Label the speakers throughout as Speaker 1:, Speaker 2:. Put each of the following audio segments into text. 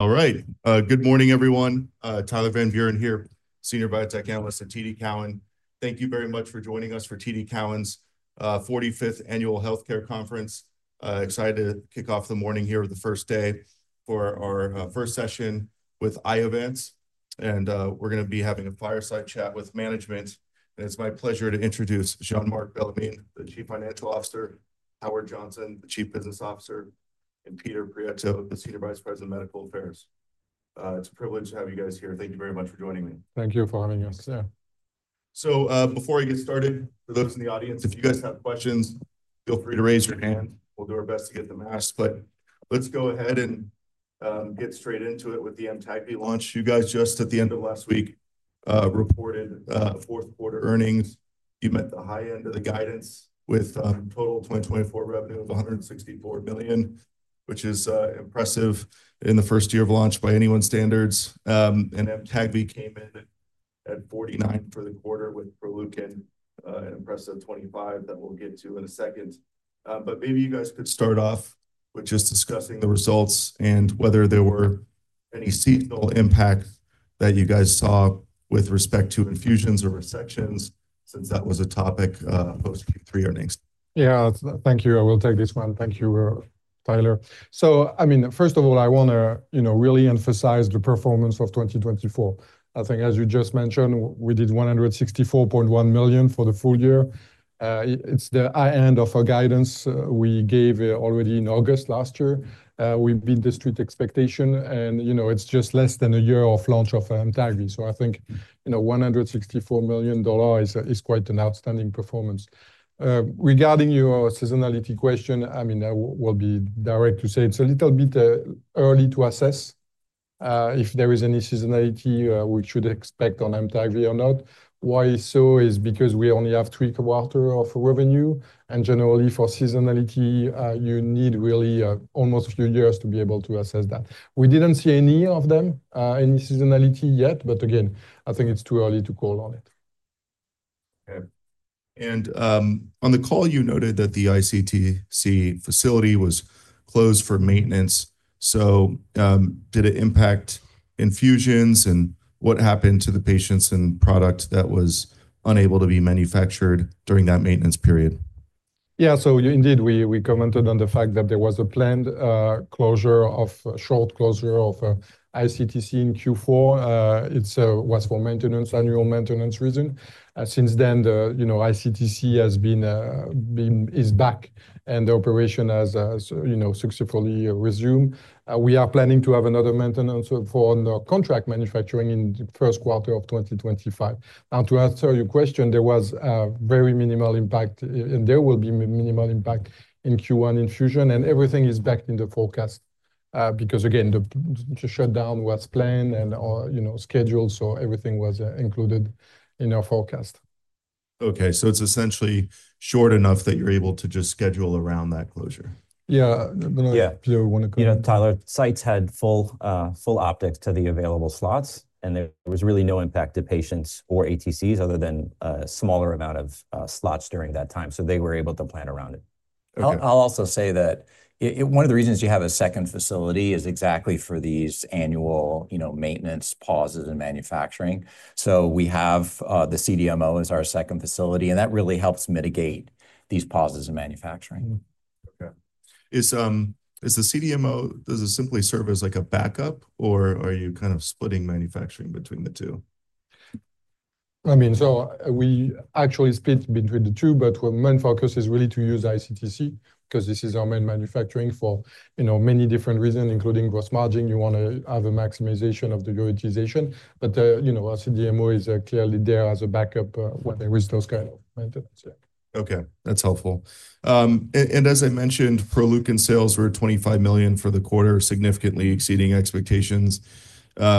Speaker 1: All right. Good morning, everyone. Tyler Van Buren here, Senior Biotech Analyst at TD Cowen. Thank you very much for joining us for TD Cowen's 45th Annual Healthcare Conference. Excited to kick off the morning here with the first day for our first session with Iovance. We are going to be having a fireside chat with management. It's my pleasure to introduce Jean-Marc Bellemin, the Chief Financial Officer; Howard Johnson, the Chief Business Officer; and Peter Prieto, the Senior Vice President of Medical Affairs. It's a privilege to have you guys here. Thank you very much for joining me.
Speaker 2: Thank you for having us here.
Speaker 1: Before I get started, for those in the audience, if you guys have questions, feel free to raise your hand. We'll do our best to get them asked. Let's go ahead and get straight into it with the AMTAGVI launch. You guys just, at the end of last week, reported fourth quarter earnings. You met the high end of the guidance with total 2024 revenue of $164 million, which is impressive in the first year of launch by anyone's standards. AMTAGVI came in at $49 million for the quarter with PROLEUKIN, an impressive $25 million that we'll get to in a second. Maybe you guys could start off with just discussing the results and whether there were any seasonal impacts that you guys saw with respect to infusions or resections, since that was a topic post Q3 earnings.
Speaker 2: Yeah, thank you. I will take this one. Thank you, Tyler. I mean, first of all, I want to really emphasize the performance of 2024. I think, as you just mentioned, we did $164.1 million for the full year. It's the high end of our guidance we gave already in August last year. We beat the street expectation. It's just less than a year off launch of AMTAGVI. I think $164 million is quite an outstanding performance. Regarding your seasonality question, I mean, I will be direct to say it's a little bit early to assess if there is any seasonality we should expect on AMTAGVI or not. Why so is because we only have three quarters of revenue. Generally, for seasonality, you need really almost a few years to be able to assess that. We didn't see any of them, any seasonality yet. I think it's too early to call on it.
Speaker 1: Okay. On the call, you noted that the iCTC facility was closed for maintenance. Did it impact infusions and what happened to the patients and product that was unable to be manufactured during that maintenance period?
Speaker 2: Yeah, so indeed, we commented on the fact that there was a planned closure of short closure of iCTC in Q4. It was for maintenance, annual maintenance reason. Since then, iCTC has been back, and the operation has successfully resumed. We are planning to have another maintenance for contract manufacturing in the first quarter of 2025. Now, to answer your question, there was very minimal impact, and there will be minimal impact in Q1 infusion. Everything is back in the forecast because, again, the shutdown was planned and scheduled, so everything was included in our forecast.
Speaker 1: Okay. It is essentially short enough that you're able to just schedule around that closure.
Speaker 2: Yeah.
Speaker 1: Yeah.
Speaker 2: Do you want to comment?
Speaker 3: Yeah, Tyler. Sites had full optics to the available slots, and there was really no impact to patients or ATCs other than a smaller amount of slots during that time. They were able to plan around it.
Speaker 1: Okay.
Speaker 3: I'll also say that one of the reasons you have a second facility is exactly for these annual maintenance pauses in manufacturing. We have the CDMO as our second facility, and that really helps mitigate these pauses in manufacturing.
Speaker 1: Okay. Is the CDMO, does it simply serve as like a backup, or are you kind of splitting manufacturing between the two?
Speaker 2: I mean, so we actually split between the two, but our main focus is really to use iCTC because this is our main manufacturing for many different reasons, including gross margin. You want to have a maximization of the utilization. But our CDMO is clearly there as a backup when there is those kind of maintenance.
Speaker 1: Okay. That's helpful. As I mentioned, PROLEUKIN sales were $25 million for the quarter, significantly exceeding expectations. I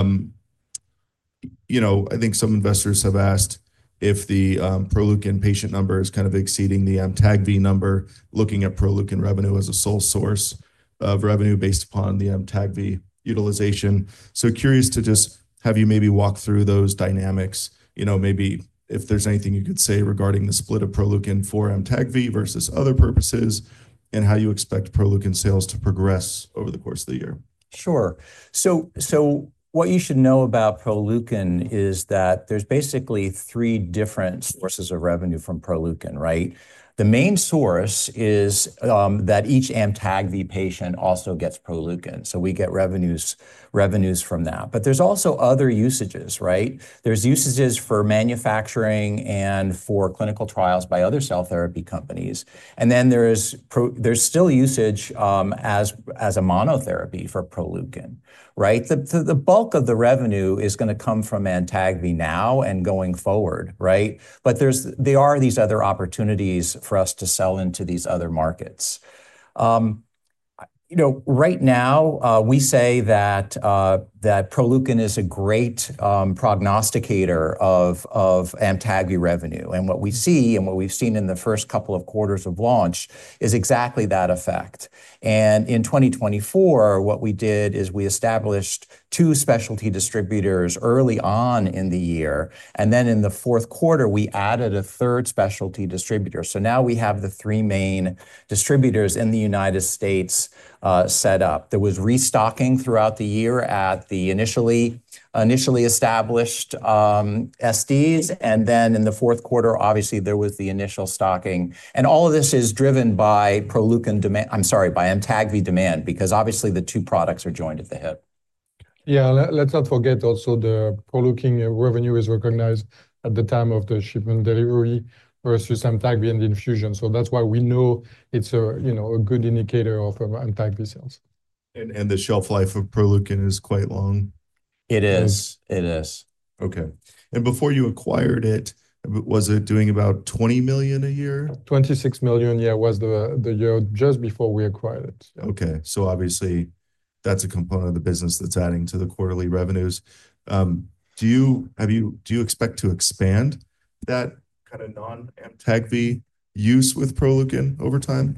Speaker 1: think some investors have asked if the PROLEUKIN patient number is kind of exceeding the AMTAGVI number, looking at PROLEUKIN revenue as a sole source of revenue based upon the AMTAGVI utilization. Curious to just have you maybe walk through those dynamics. Maybe if there's anything you could say regarding the split of PROLEUKIN for AMTAGVI versus other purposes and how you expect PROLEUKIN sales to progress over the course of the year.
Speaker 3: Sure. What you should know about PROLEUKIN is that there are basically three different sources of revenue from PROLEUKIN, right? The main source is that each AMTAGVI patient also gets PROLEUKIN, so we get revenues from that. There are also other usages, right? There are usages for manufacturing and for clinical trials by other cell therapy companies. There is still usage as a monotherapy for PROLEUKIN, right? The bulk of the revenue is going to come from AMTAGVI now and going forward, right? There are these other opportunities for us to sell into these other markets. Right now, we say that PROLEUKIN is a great prognosticator of AMTAGVI revenue. What we see and what we've seen in the first couple of quarters of launch is exactly that effect. In 2024, what we did is we established two specialty distributors early on in the year. In the fourth quarter, we added a third specialty distributor. Now we have the three main distributors in the United States set up. There was restocking throughout the year at the initially established SDs. In the fourth quarter, obviously, there was the initial stocking. All of this is driven by PROLEUKIN demand, I'm sorry, by AMTAGVI demand because obviously the two products are joined at the hip.
Speaker 2: Yeah. Let's not forget also the PROLEUKIN revenue is recognized at the time of the shipment delivery versus AMTAGVI and the infusion. So that's why we know it's a good indicator of AMTAGVI sales.
Speaker 1: The shelf life of PROLEUKIN is quite long.
Speaker 3: It is. It is.
Speaker 1: Okay. Before you acquired it, was it doing about $20 million a year?
Speaker 2: $26 million, yeah, was the year just before we acquired it.
Speaker 1: Okay. So obviously, that's a component of the business that's adding to the quarterly revenues. Do you expect to expand that kind of non-MTAG be use with PROLEUKIN over time?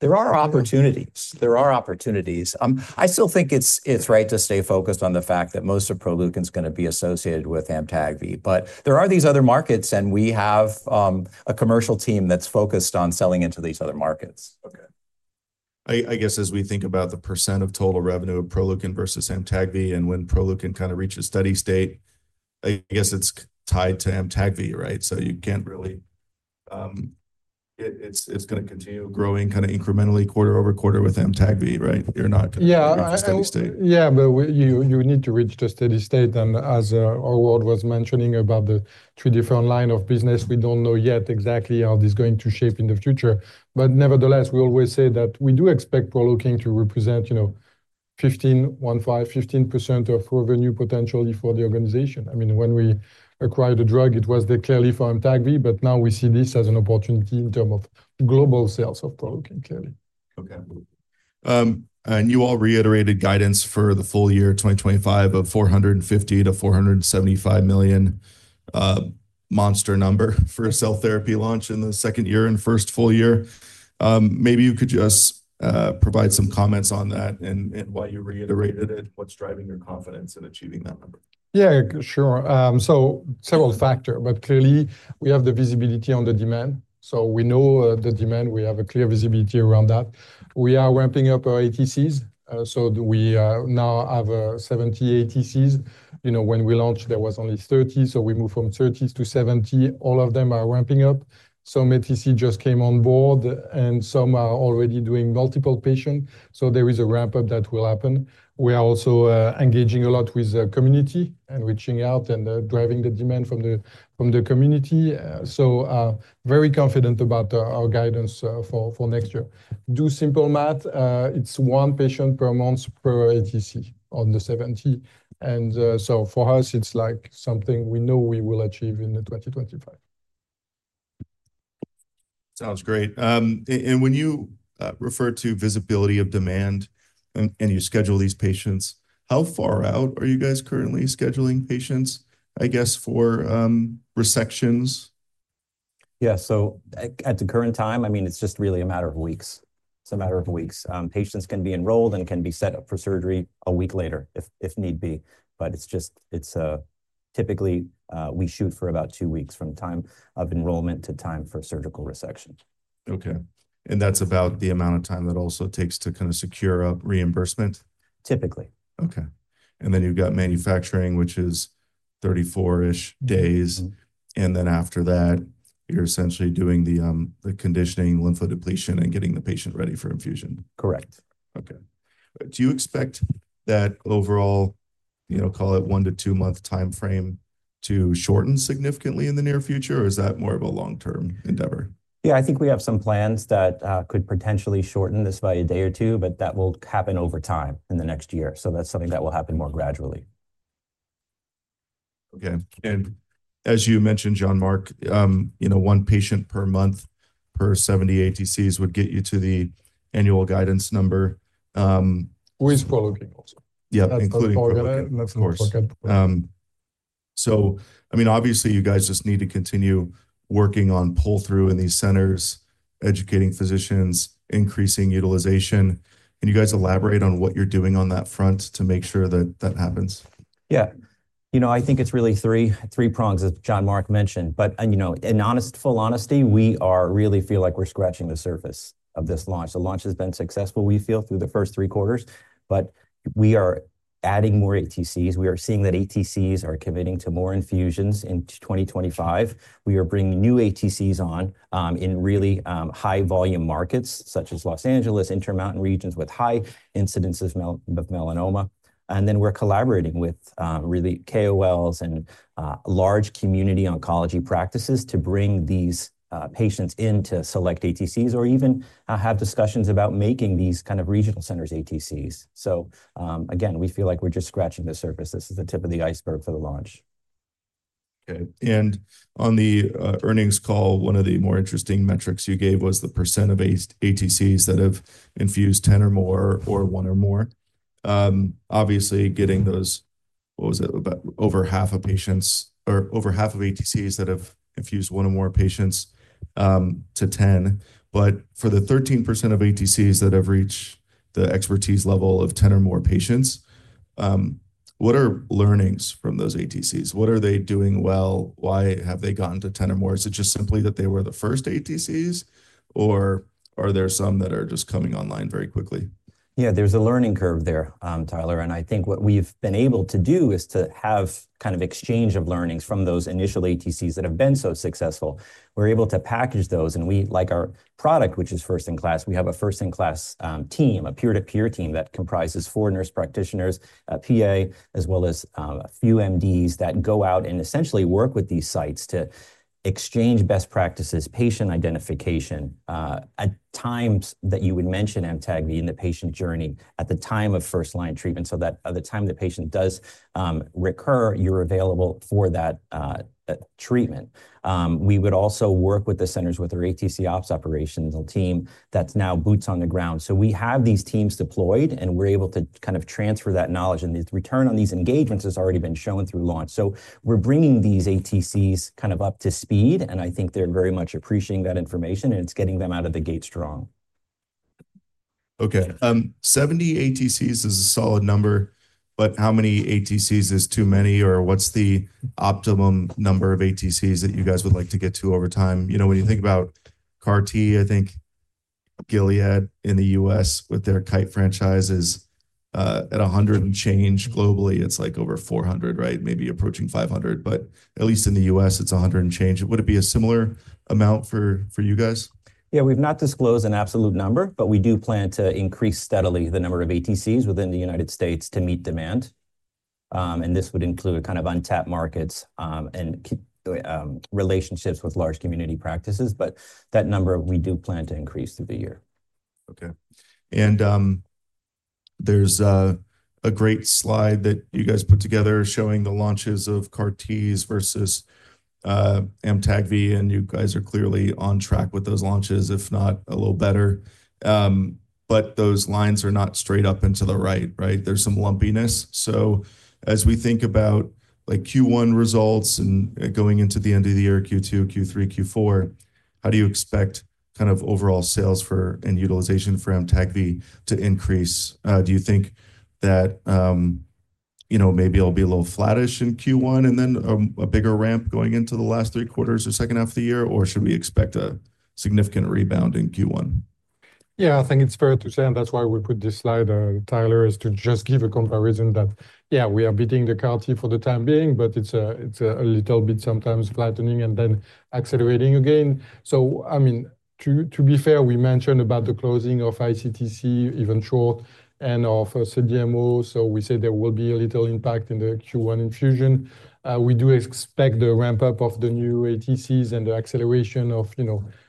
Speaker 3: There are opportunities. I still think it's right to stay focused on the fact that most of PROLEUKIN is going to be associated with AMTAGVI. But there are these other markets, and we have a commercial team that's focused on selling into these other markets.
Speaker 1: Okay. I guess as we think about the percent of total revenue of PROLEUKIN versus AMTAGVI and when PROLEUKIN kind of reaches steady state, I guess it's tied to AMTAGVI, right? So you can't really it's going to continue growing kind of incrementally quarter over quarter with AMTAGVI, right? You're not going to reach steady state.
Speaker 2: Yeah, but you need to reach the steady state. As Orazio was mentioning about the three different lines of business, we do not know yet exactly how this is going to shape in the future. Nevertheless, we always say that we do expect PROLEUKIN to represent 15% of revenue potentially for the organization. I mean, when we acquired the drug, it was clearly for AMTAGVI, but now we see this as an opportunity in terms of global sales of PROLEUKIN, clearly.
Speaker 1: Okay. You all reiterated guidance for the full year 2025 of $450 million-$475 million, monster number for a cell therapy launch in the second year and first full year. Maybe you could just provide some comments on that and why you reiterated it, what's driving your confidence in achieving that number.
Speaker 2: Yeah, sure. Several factors, but clearly, we have the visibility on the demand. We know the demand. We have clear visibility around that. We are ramping up our ATCs. We now have 70 ATCs. When we launched, there were only 30. We moved from 30 to 70. All of them are ramping up. Some ATC just came on board, and some are already doing multiple patients. There is a ramp-up that will happen. We are also engaging a lot with the community and reaching out and driving the demand from the community. Very confident about our guidance for next year. Do simple math, it is one patient per month per ATC on the 70. For us, it is something we know we will achieve in 2025.
Speaker 1: Sounds great. When you refer to visibility of demand and you schedule these patients, how far out are you guys currently scheduling patients, I guess, for resections?
Speaker 3: Yeah. At the current time, I mean, it's just really a matter of weeks. It's a matter of weeks. Patients can be enrolled and can be set up for surgery a week later if need be. It's just typically we shoot for about two weeks from time of enrollment to time for surgical resection.
Speaker 1: Okay. That is about the amount of time that also takes to kind of secure up reimbursement?
Speaker 3: Typically.
Speaker 1: Okay. You have got manufacturing, which is 34-ish days. After that, you are essentially doing the conditioning, lymphodepletion, and getting the patient ready for infusion.
Speaker 3: Correct.
Speaker 1: Okay. Do you expect that overall, call it one to two-month timeframe to shorten significantly in the near future, or is that more of a long-term endeavor?
Speaker 3: Yeah, I think we have some plans that could potentially shorten this by a day or two, but that will happen over time in the next year. That is something that will happen more gradually.
Speaker 1: Okay. As you mentioned, Jean-Marc, one patient per month per 70 ATCs would get you to the annual guidance number.
Speaker 2: With PROLEUKIN also.
Speaker 1: Yeah, including PROLEUKIN.
Speaker 2: Let's not forget.
Speaker 1: Of course. I mean, obviously, you guys just need to continue working on pull-through in these centers, educating physicians, increasing utilization. Can you guys elaborate on what you're doing on that front to make sure that that happens?
Speaker 3: Yeah. You know, I think it's really three prongs as Jean-Marc mentioned. In full honesty, we really feel like we're scratching the surface of this launch. The launch has been successful, we feel, through the first three quarters. We are adding more ATCs. We are seeing that ATCs are committing to more infusions in 2025. We are bringing new ATCs on in really high-volume markets such as Los Angeles, intermountain regions with high incidences of melanoma. We are collaborating with really KOLs and large community oncology practices to bring these patients into select ATCs or even have discussions about making these kind of regional centers ATCs. Again, we feel like we're just scratching the surface. This is the tip of the iceberg for the launch.
Speaker 1: Okay. On the earnings call, one of the more interesting metrics you gave was the percent of ATCs that have infused 10 or more or one or more. Obviously, getting those, what was it, about over half of patients or over half of ATCs that have infused one or more patients to 10. For the 13% of ATCs that have reached the expertise level of 10 or more patients, what are learnings from those ATCs? What are they doing well? Why have they gotten to 10 or more? Is it just simply that they were the first ATCs, or are there some that are just coming online very quickly?
Speaker 3: Yeah, there's a learning curve there, Tyler. I think what we've been able to do is to have kind of exchange of learnings from those initial ATCs that have been so successful. We're able to package those. Like our product, which is first-in-class, we have a first-in-class team, a peer-to-peer team that comprises four nurse practitioners, a PA, as well as a few MDs that go out and essentially work with these sites to exchange best practices, patient identification, at times that you would mention AMTAGVI in the patient journey at the time of first-line treatment so that by the time the patient does recur, you're available for that treatment. We would also work with the centers with our ATC ops operational team that's now boots on the ground. We have these teams deployed, and we're able to kind of transfer that knowledge. The return on these engagements has already been shown through launch. We are bringing these ATCs kind of up to speed, and I think they are very much appreciating that information, and it is getting them out of the gate strong.
Speaker 1: Okay. Seventy ATCs is a solid number, but how many ATCs is too many, or what's the optimum number of ATCs that you guys would like to get to over time? When you think about CAR-T, I think Gilead in the U.S. with their Kite franchise is at 100 and change globally. It's like over 400, right? Maybe approaching 500. At least in the U.S., it's 100 and change. Would it be a similar amount for you guys?
Speaker 3: Yeah. We've not disclosed an absolute number, but we do plan to increase steadily the number of ATCs within the United States to meet demand. This would include kind of untapped markets and relationships with large community practices. That number, we do plan to increase through the year.
Speaker 1: Okay. There is a great slide that you guys put together showing the launches of CAR-Ts versus AMTAGVI be. You guys are clearly on track with those launches, if not a little better. Those lines are not straight up and to the right, right? There is some lumpiness. As we think about Q1 results and going into the end of the year, Q2, Q3, Q4, how do you expect kind of overall sales and utilization for AMTAGVI be to increase? Do you think that maybe it will be a little flattish in Q1 and then a bigger ramp going into the last three quarters or second half of the year, or should we expect a significant rebound in Q1?
Speaker 2: Yeah, I think it's fair to say, and that's why we put this slide, Tyler, is to just give a comparison that, yeah, we are beating the CAR-T for the time being, but it's a little bit sometimes flattening and then accelerating again. I mean, to be fair, we mentioned about the closing of iCTC, even short, and of CDMO. We say there will be a little impact in the Q1 infusion. We do expect the ramp-up of the new ATCs and the acceleration of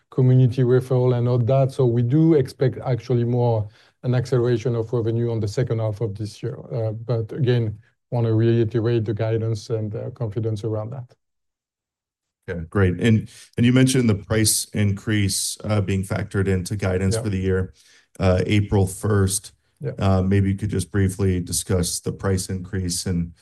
Speaker 2: community referral and all that. We do expect actually more an acceleration of revenue in the second half of this year. Again, want to reiterate the guidance and confidence around that.
Speaker 1: Okay. Great. You mentioned the price increase being factored into guidance for the year. April 1st, maybe you could just briefly discuss the price increase and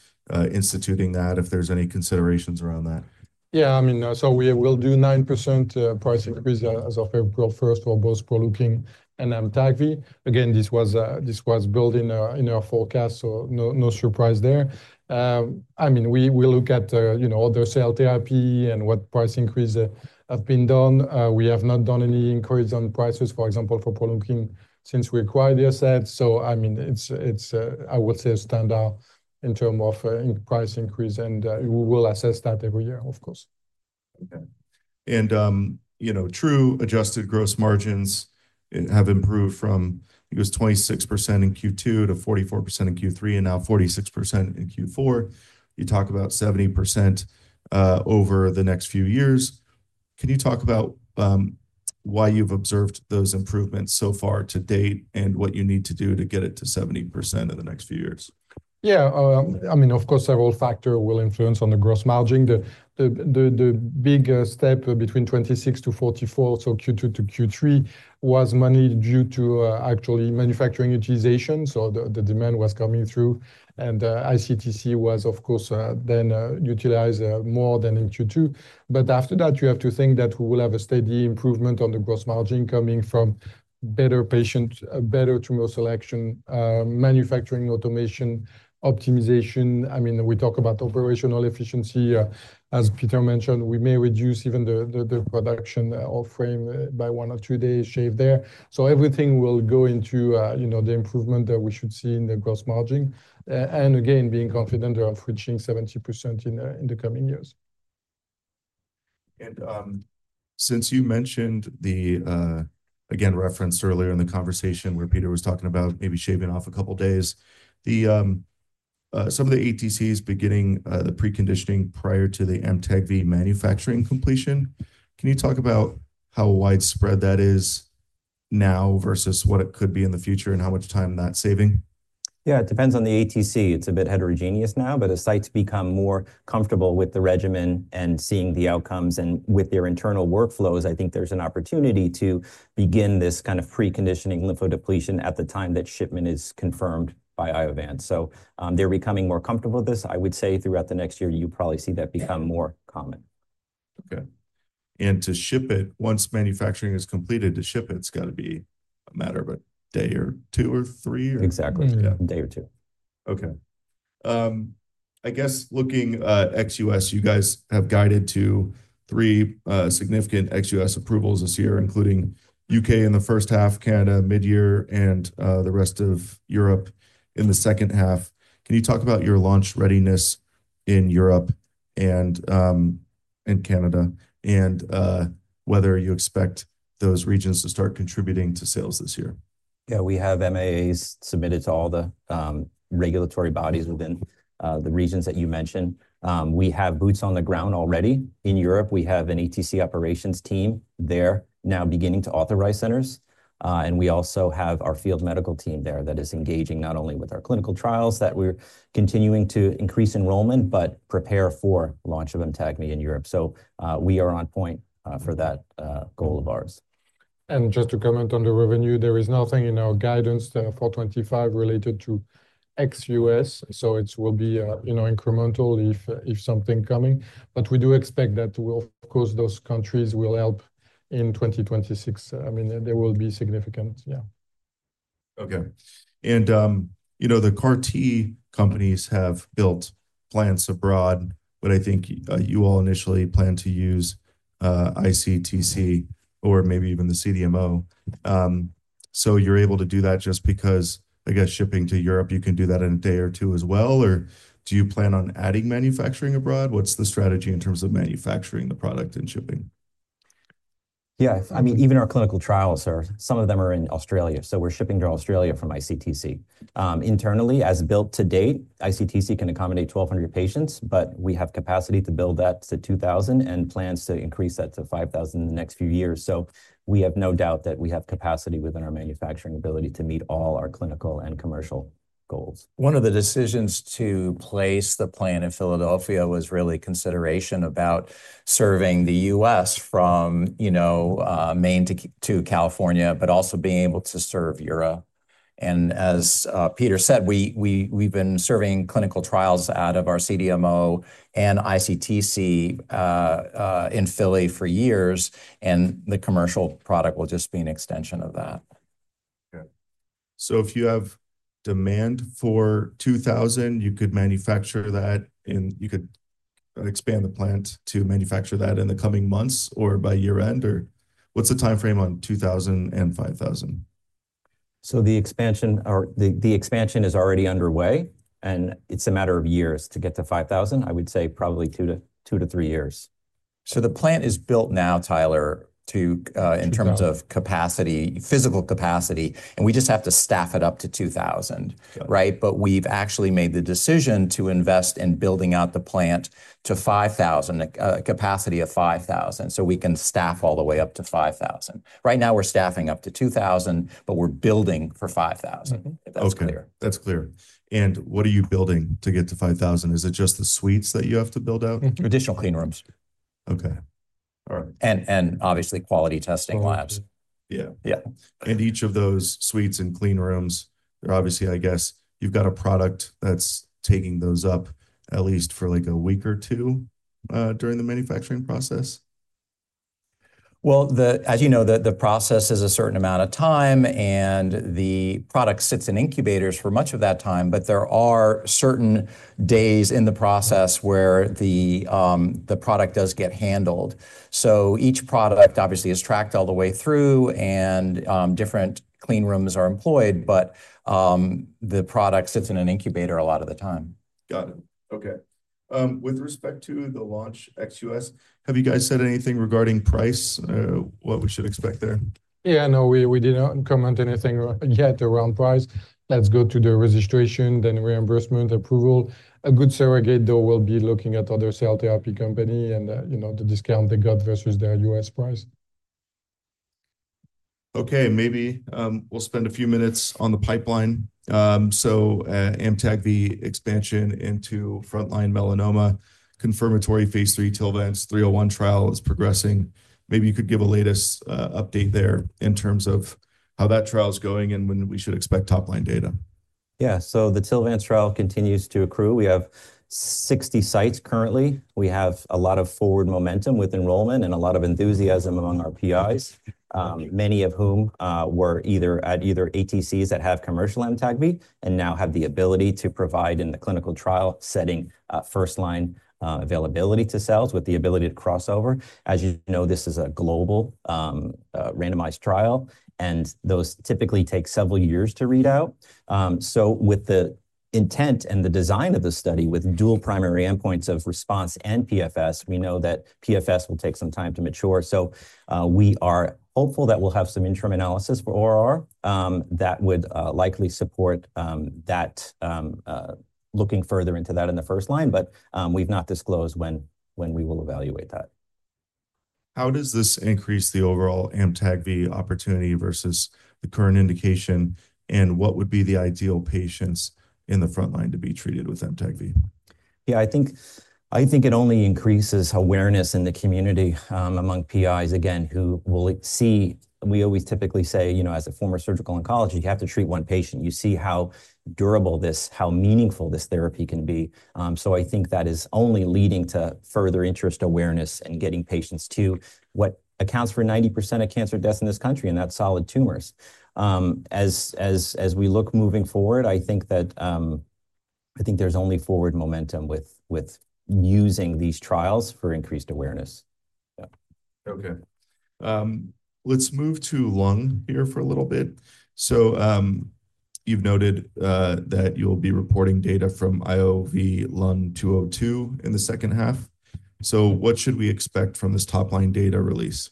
Speaker 1: instituting that if there's any considerations around that.
Speaker 2: Yeah. I mean, we will do a 9% price increase as of April 1 for both PROLEUKIN and AMTAGVI. Again, this was built in our forecast, so no surprise there. I mean, we look at other cell therapy and what price increases have been done. We have not done any increase on prices, for example, for PROLEUKIN since we acquired the asset. I mean, I will say a standard in terms of price increase, and we will assess that every year, of course.
Speaker 1: Okay. True adjusted gross margins have improved from, I think it was 26% in Q2 to 44% in Q3 and now 46% in Q4. You talk about 70% over the next few years. Can you talk about why you've observed those improvements so far to date and what you need to do to get it to 70% in the next few years?
Speaker 2: Yeah. I mean, of course, several factors will influence on the gross margin. The big step between 26% to 44%, so Q2 to Q3, was mainly due to actually manufacturing utilization. The demand was coming through, and iCTC was, of course, then utilized more than in Q2. After that, you have to think that we will have a steady improvement on the gross margin coming from better patient, better tumor selection, manufacturing automation, optimization. I mean, we talk about operational efficiency. As Peter mentioned, we may reduce even the production of frame by one or two days shave there. Everything will go into the improvement that we should see in the gross margin. Again, being confident of reaching 70% in the coming years.
Speaker 1: Since you mentioned the, again, reference earlier in the conversation where Peter was talking about maybe shaving off a couple of days, some of the ATCs beginning the preconditioning prior to the AMTAGVI manufacturing completion. Can you talk about how widespread that is now versus what it could be in the future and how much time that's saving?
Speaker 3: Yeah, it depends on the ATC. It's a bit heterogeneous now, but as sites become more comfortable with the regimen and seeing the outcomes and with their internal workflows, I think there's an opportunity to begin this kind of preconditioning lymphodepletion at the time that shipment is confirmed by Iovance. They're becoming more comfortable with this. I would say throughout the next year, you probably see that become more common.
Speaker 1: Okay. To ship it, once manufacturing is completed, to ship it has got to be a matter of a day or two or three.
Speaker 3: Exactly. Yeah, a day or two.
Speaker 1: Okay. I guess looking at ex-U.S., you guys have guided to three significant ex-U.S. approvals this year, including U.K. in the first half, Canada mid-year, and the rest of Europe in the second half. Can you talk about your launch readiness in Europe and Canada and whether you expect those regions to start contributing to sales this year?
Speaker 3: Yeah, we have MAAs submitted to all the regulatory bodies within the regions that you mentioned. We have boots on the ground already. In Europe, we have an ETC operations team there now beginning to authorize centers. We also have our field medical team there that is engaging not only with our clinical trials that we're continuing to increase enrollment, but prepare for launch of AMTAGVI in Europe. We are on point for that goal of ours.
Speaker 2: Just to comment on the revenue, there is nothing in our guidance for 2025 related to ex-U.S. It will be incremental if something's coming. We do expect that, of course, those countries will help in 2026. I mean, there will be significant, yeah.
Speaker 1: Okay. The CAR-T companies have built plants abroad, but I think you all initially plan to use iCTC or maybe even the CDMO. You're able to do that just because, I guess, shipping to Europe, you can do that in a day or two as well, or do you plan on adding manufacturing abroad? What's the strategy in terms of manufacturing the product and shipping?
Speaker 3: Yeah. I mean, even our clinical trials, some of them are in Australia. So we're shipping to Australia from iCTC. Internally, as built to date, iCTC can accommodate 1,200 patients, but we have capacity to build that to 2,000 and plans to increase that to 5,000 in the next few years. We have no doubt that we have capacity within our manufacturing ability to meet all our clinical and commercial goals. One of the decisions to place the plant in Philadelphia was really consideration about serving the U.S. from Maine to California, but also being able to serve Europe. As Peter said, we've been serving clinical trials out of our CDMO and iCTC in Philly for years, and the commercial product will just be an extension of that.
Speaker 1: Okay. If you have demand for 2,000, you could manufacture that, and you could expand the plant to manufacture that in the coming months or by year-end, or what's the timeframe on 2,000 and 5,000?
Speaker 3: The expansion is already underway, and it's a matter of years to get to 5,000. I would say probably two to three years. The plant is built now, Tyler, in terms of capacity, physical capacity, and we just have to staff it up to 2,000, right? We've actually made the decision to invest in building out the plant to 5,000, a capacity of 5,000, so we can staff all the way up to 5,000. Right now, we're staffing up to 2,000, but we're building for 5,000, if that's clear.
Speaker 1: Okay. That's clear. What are you building to get to 5,000? Is it just the suites that you have to build out?
Speaker 3: Additional clean rooms.
Speaker 1: Okay. All right.
Speaker 3: Obviously, quality testing labs.
Speaker 1: Yeah.
Speaker 3: Yeah.
Speaker 1: Each of those suites and clean rooms, obviously, I guess you've got a product that's taking those up at least for like a week or two during the manufacturing process?
Speaker 3: As you know, the process is a certain amount of time, and the product sits in incubators for much of that time, but there are certain days in the process where the product does get handled. Each product, obviously, is tracked all the way through, and different clean rooms are employed, but the product sits in an incubator a lot of the time.
Speaker 1: Got it. Okay. With respect to the launch XUS, have you guys said anything regarding price, what we should expect there?
Speaker 2: Yeah. No, we did not comment anything yet around price. Let's go to the registration, then reimbursement approval. A good surrogate, though, will be looking at other cell therapy company and the discount they got versus their U.S. price.
Speaker 1: Okay. Maybe we'll spend a few minutes on the pipeline. MTAG be expansion into frontline melanoma, confirmatory phase three Tilvance 301 trial is progressing. Maybe you could give a latest update there in terms of how that trial is going and when we should expect top-line data.
Speaker 3: Yeah. The TILVANCE trial continues to accrue. We have 60 sites currently. We have a lot of forward momentum with enrollment and a lot of enthusiasm among our PIs, many of whom were at either ATCs that have commercial AMTAGVI and now have the ability to provide in the clinical trial setting first-line availability to cells with the ability to crossover. As you know, this is a global randomized trial, and those typically take several years to read out. With the intent and the design of the study with dual primary endpoints of response and PFS, we know that PFS will take some time to mature. We are hopeful that we'll have some interim analysis for ORR that would likely support that, looking further into that in the first line, but we've not disclosed when we will evaluate that.
Speaker 1: How does this increase the overall AMTAGVI opportunity versus the current indication, and what would be the ideal patients in the front line to be treated with AMTAGVI?
Speaker 3: Yeah, I think it only increases awareness in the community among PIs, again, who will see we always typically say, as a former surgical oncologist, you have to treat one patient. You see how durable this, how meaningful this therapy can be. I think that is only leading to further interest, awareness, and getting patients to what accounts for 90% of cancer deaths in this country, and that's solid tumors. As we look moving forward, I think there's only forward momentum with using these trials for increased awareness.
Speaker 1: Okay. Let's move to lung here for a little bit. You have noted that you'll be reporting data from IOV-LUN-202 in the second half. What should we expect from this top-line data release?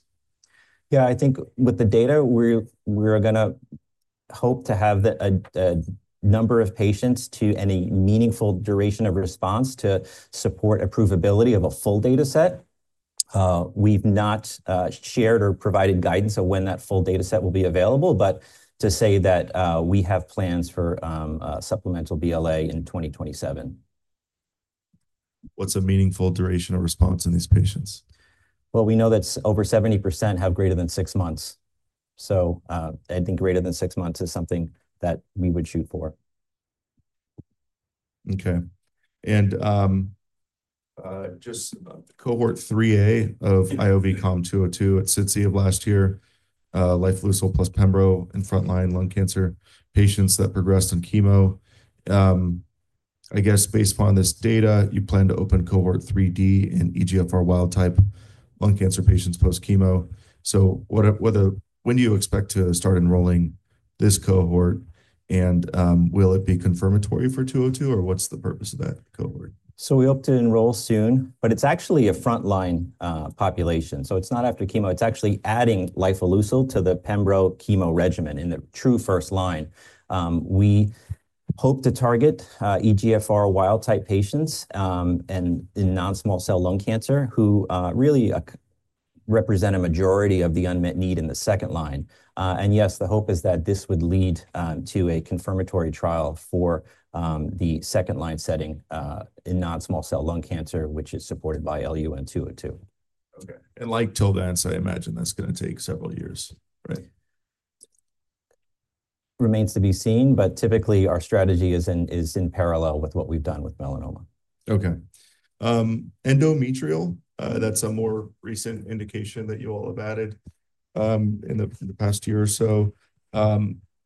Speaker 3: Yeah, I think with the data, we're going to hope to have a number of patients to any meaningful duration of response to support approvability of a full data set. We've not shared or provided guidance on when that full data set will be available, but to say that we have plans for supplemental BLA in 2027.
Speaker 1: What's a meaningful duration of response in these patients?
Speaker 3: We know that over 70% have greater than six months. So I think greater than six months is something that we would shoot for.
Speaker 1: Okay. Just cohort 3A of IovCom 202 at SITC of last year, lifileucel plus pembro in frontline lung cancer patients that progressed on chemo. I guess based upon this data, you plan to open cohort 3D in EGFR wild-type lung cancer patients post-chemo. When do you expect to start enrolling this cohort, and will it be confirmatory for 202, or what's the purpose of that cohort?
Speaker 3: We hope to enroll soon, but it's actually a frontline population. It's not after chemo. It's actually adding lifileucel to the pembro chemo regimen in the true first line. We hope to target EGFR wild-type patients in non-small cell lung cancer who really represent a majority of the unmet need in the second line. Yes, the hope is that this would lead to a confirmatory trial for the second-line setting in non-small cell lung cancer, which is supported by LUN-202.
Speaker 1: Okay. Like TILVANCE, I imagine that's going to take several years, right?
Speaker 3: Remains to be seen, but typically, our strategy is in parallel with what we've done with melanoma.
Speaker 1: Okay. Endometrial, that's a more recent indication that you all have added in the past year or so.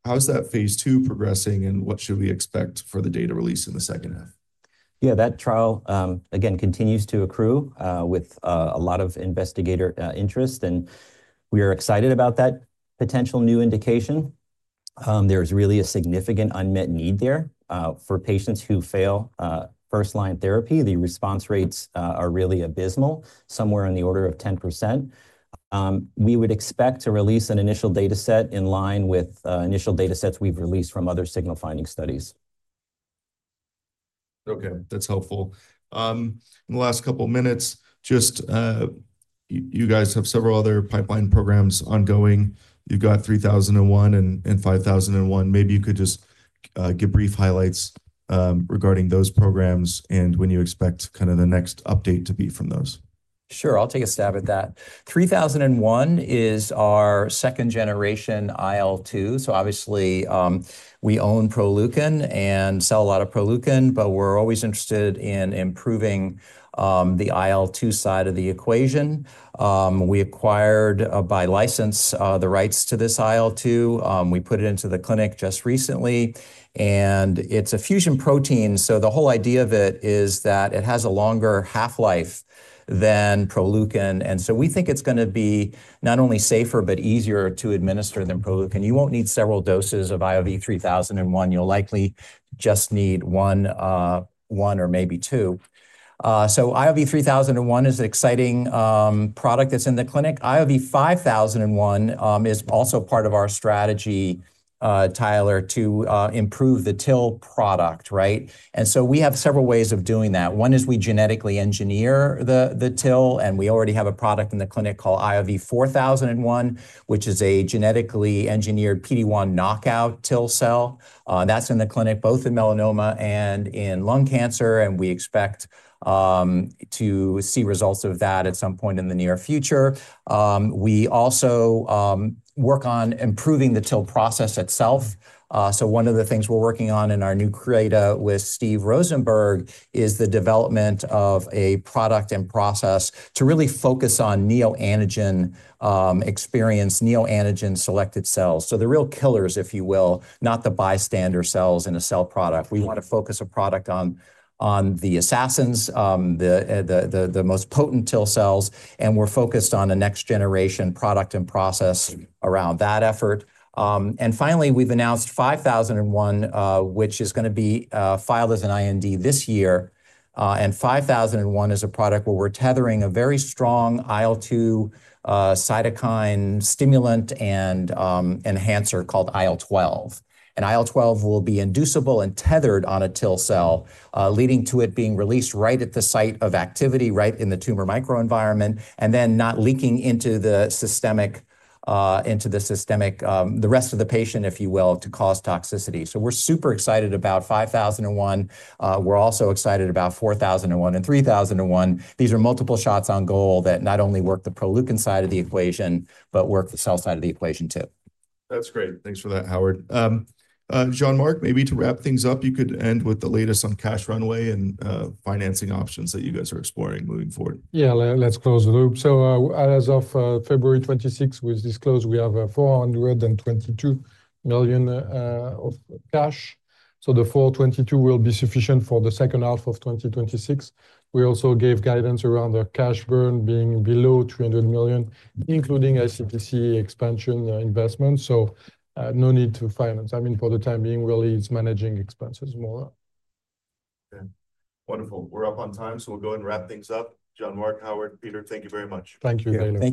Speaker 1: How's that phase two progressing, and what should we expect for the data release in the second half?
Speaker 3: Yeah, that trial, again, continues to accrue with a lot of investigator interest, and we are excited about that potential new indication. There's really a significant unmet need there for patients who fail first-line therapy. The response rates are really abysmal, somewhere in the order of 10%. We would expect to release an initial data set in line with initial data sets we've released from other signal-finding studies.
Speaker 1: Okay. That's helpful. In the last couple of minutes, just you guys have several other pipeline programs ongoing. You've got 3001 and 5001. Maybe you could just give brief highlights regarding those programs and when you expect kind of the next update to be from those.
Speaker 3: Sure. I'll take a stab at that. 3001 is our second-generation IL-2. Obviously, we own PROLEUKIN and sell a lot of PROLEUKIN, but we're always interested in improving the IL-2 side of the equation. We acquired by license the rights to this IL-2. We put it into the clinic just recently, and it's a fusion protein. The whole idea of it is that it has a longer half-life than PROLEUKIN. We think it's going to be not only safer, but easier to administer than PROLEUKIN. You won't need several doses of Iov-3001. You'll likely just need one or maybe two. Iov-3001 is an exciting product that's in the clinic. Iov-5001 is also part of our strategy, Tyler, to improve the TIL product, right? We have several ways of doing that. One is we genetically engineer the TIL, and we already have a product in the clinic called Iov-4001, which is a genetically engineered PD-1 knockout TIL cell. That's in the clinic, both in melanoma and in lung cancer, and we expect to see results of that at some point in the near future. We also work on improving the TIL process itself. One of the things we're working on in our new creative with Steve Rosenberg is the development of a product and process to really focus on neoantigen experience, neoantigen-selected cells. The real killers, if you will, not the bystander cells in a cell product. We want to focus a product on the assassins, the most potent TIL cells, and we're focused on the next-generation product and process around that effort. Finally, we've announced Iov-5001, which is going to be filed as an IND this year. 5001 is a product where we're tethering a very strong IL-2 cytokine stimulant and enhancer called IL-12. IL-12 will be inducible and tethered on a TIL cell, leading to it being released right at the site of activity, right in the tumor microenvironment, and then not leaking into the systemic, the rest of the patient, if you will, to cause toxicity. We are super excited about 5001. We are also excited about 4001 and 3001. These are multiple shots on goal that not only work the PROLEUKIN side of the equation, but work the cell side of the equation too.
Speaker 1: That's great. Thanks for that, Howard. Jean-Marc, maybe to wrap things up, you could end with the latest on cash runway and financing options that you guys are exploring moving forward.
Speaker 2: Yeah, let's close the loop. As of February 26, we disclosed we have $422 million of cash. The $422 million will be sufficient for the second half of 2026. We also gave guidance around the cash burn being below $300 million, including iCTC expansion investments. No need to finance. I mean, for the time being, really, it's managing expenses more.
Speaker 1: Okay. Wonderful. We're up on time, so we'll go and wrap things up. Jean-Marc, Howard, Peter, thank you very much.
Speaker 2: Thank you, Dallas.